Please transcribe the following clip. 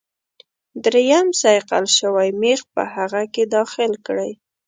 دریم صیقل شوی میخ په هغه کې داخل کړئ.